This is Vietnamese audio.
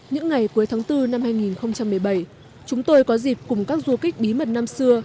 những ngày cuối tháng bốn năm hai nghìn một mươi bảy chúng tôi có dịp cùng các du kích bí mật năm xưa